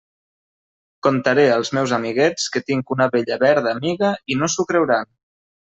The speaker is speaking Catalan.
Contaré als meus amiguets que tinc una abella verda amiga i no s'ho creuran.